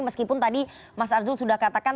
meskipun tadi mas arzul sudah katakan